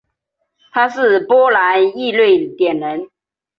他是波兰裔瑞典人。